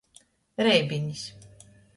Reibinis.